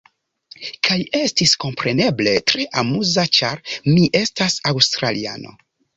Kaj estis, kompreneble tre amuza ĉar mi estas aŭstraliano.